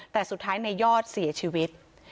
แต่สุดท้ายในยอดเสียชีวิต